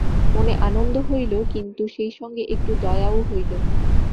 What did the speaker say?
মনে আনন্দ হইল, কিন্তু সেইসঙ্গে একটু দয়াও হইল।